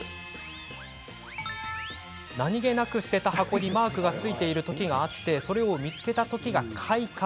何気なく捨てた箱にマークがついている時がありそれを見つけた時が快感。